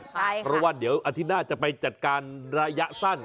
เพราะว่าเดี๋ยวอาทิตย์หน้าจะไปจัดการระยะสั้น